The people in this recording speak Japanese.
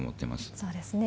そうですね。